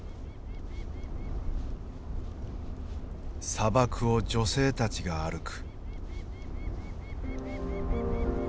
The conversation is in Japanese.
砂漠を女性たちが歩く。